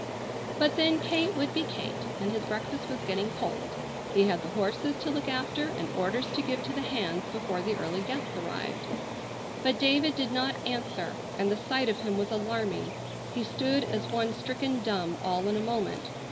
But then, Kate would be Kate, and his breakfast was getting cold. He had the horses to look after and orders to give to the hands before the early guests arrived. But David did not answer, and the sight of him was alarming. He stood as one stricken dumb all in a moment.